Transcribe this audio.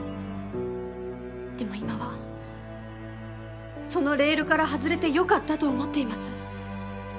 でも今はそのレールから外れて良かったと思っています。